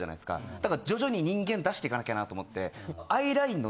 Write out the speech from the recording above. だから徐々に人間出していかなきゃなと思って。